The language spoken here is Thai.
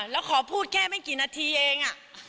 แล้วขอพูดแค่ไม่กี่นาทีเอง